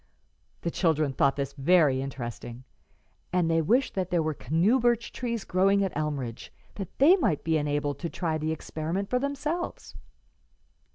The children thought this very interesting, and they wished that there were canoe birch trees growing at Elmridge, that they might be enabled to try the experiment for themselves.